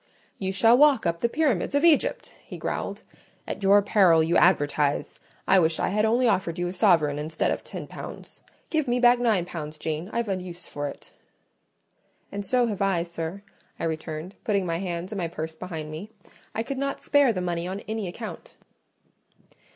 "You shall walk up the pyramids of Egypt!" he growled. "At your peril you advertise! I wish I had only offered you a sovereign instead of ten pounds. Give me back nine pounds, Jane; I've a use for it." "And so have I, sir," I returned, putting my hands and my purse behind me. "I could not spare the money on any account."